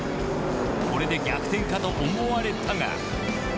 これで逆転かと思われたが。